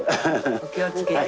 ・お気をつけて。